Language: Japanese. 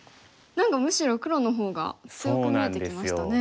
何かむしろ黒の方が強く見えてきましたね。